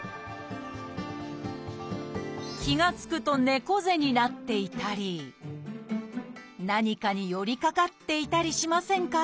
気が付くと猫背になっていたり何かに寄りかかっていたりしませんか？